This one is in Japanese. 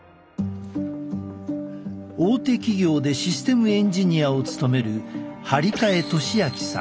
大手企業でシステムエンジニアを務める張替俊明さん。